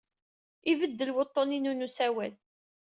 Ibeddel wuḍḍun-inu n usawal.